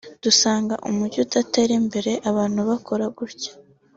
dusanga umujyi utatera imbere abantu bakora gutyo